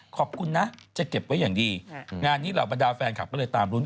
คุณกุญแจเหรอเป็นเครื่องรางของขังอ๋อเป็นเครื่องรางแบบญี่ปุ่น